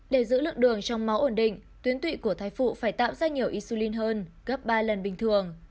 để giữ lượng đường trong máu ổn định tuyến tụy của thai phụ phải tạo ra nhiều isulin hơn gấp ba lần bình thường